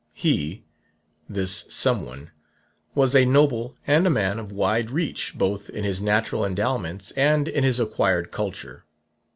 He this 'someone' was a noble and a man of wide reach both in his natural endowments and in his acquired culture.